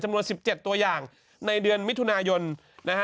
จำนวน๑๗ตัวอย่างในเดือนมิถุนายนนะฮะ